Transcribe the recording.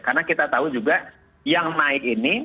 karena kita tahu juga yang naik ini